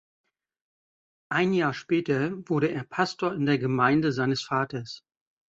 Ein Jahr später wurde er Pastor in der Gemeinde seines Vaters.